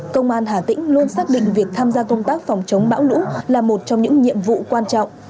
công an hà tĩnh luôn xác định việc tham gia công tác phòng chống bão lũ là một trong những nhiệm vụ quan trọng